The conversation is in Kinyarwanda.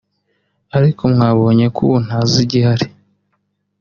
ariko mwabonye ko ubu ntazigihari